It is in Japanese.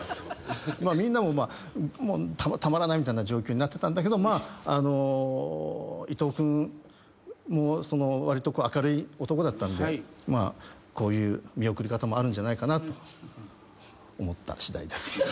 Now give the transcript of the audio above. みんなもたまらないみたいな状況になってたんだけどまあ伊藤君もわりと明るい男だったんでまあこういう見送り方もあるんじゃないかなと思ったしだいです。